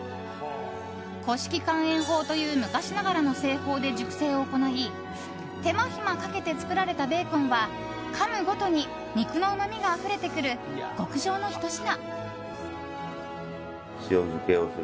古式乾塩法という昔ながらの製法で熟成を行い手間暇かけて作られたベーコンはかむごとに肉のうまみがあふれてくる極上のひと品。